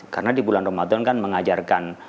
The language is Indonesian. karena di bulan ramadan kan mengajarkan